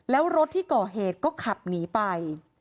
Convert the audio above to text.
แล้วรถที่ก่อเหตุก็ขับหนีไป